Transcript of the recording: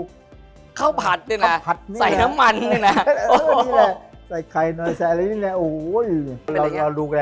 ข้าวผัดนี่แหละ